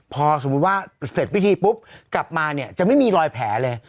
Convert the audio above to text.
พอสมมุติว่าเสร็จพิธีปุ๊บกลับมาเนี่ยจะไม่มีรอยแผลเลย